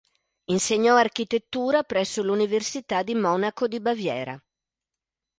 Insegnò architettura presso l'università di Monaco di Baviera.